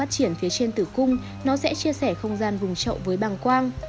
trên tử cung nó sẽ chia sẻ không gian vùng trậu với bằng quang